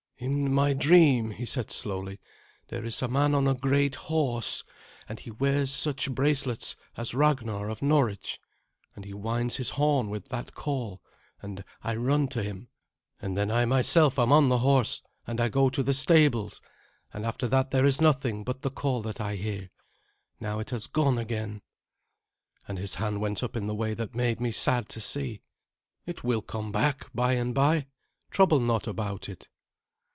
"In my dream," he said slowly, "there is a man on a great horse, and he wears such bracelets as Ragnar of Norwich, and he winds his horn with that call, and I run to him; and then I myself am on the horse, and I go to the stables, and after that there is nothing but the call that I hear. Now it has gone again." And his hand went up in the way that made me sad to see. "It will come back by and by. Trouble not about it."